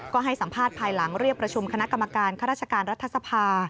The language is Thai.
ก็ให้สัมภาษณ์ภายหลังเรียกประชุมคณะกรรมการข้าราชการรัฐสภา